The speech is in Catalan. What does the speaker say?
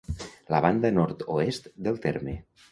La banda nord-oest del terme.